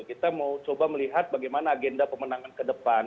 kita mau coba melihat bagaimana agenda pemenangan ke depan